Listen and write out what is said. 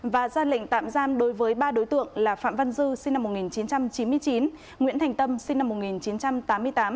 và ra lệnh tạm giam đối với ba đối tượng là phạm văn dư sinh năm một nghìn chín trăm chín mươi chín nguyễn thành tâm sinh năm một nghìn chín trăm tám mươi tám